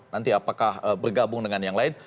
nanti apakah bergabung dengan yang lain